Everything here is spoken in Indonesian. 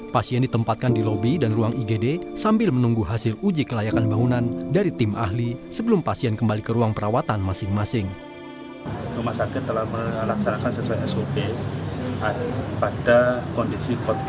pasien ditempatkan di lobi dan ruang igd sambil menunggu hasil uji kelayakan bangunan dari tim ahli sebelum pasien kembali ke ruang perawatan masing masing